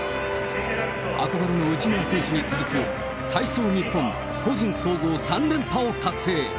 憧れの内村選手に続く体操日本個人総合３連覇を達成。